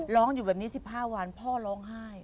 ร้องอยู่แบบนี้๑๕วันพ่อร้องไห้